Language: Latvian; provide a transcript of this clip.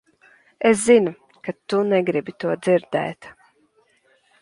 Es zinu, ka tu negribi to dzirdēt.